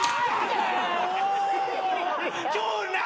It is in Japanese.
今日何！？